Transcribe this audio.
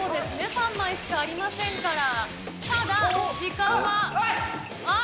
３枚しかありませんから、ただ、時間が。